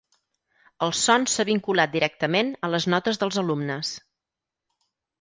El son s'ha vinculat directament a les notes dels alumnes.